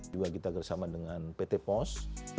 juga kita bersama dengan pt pos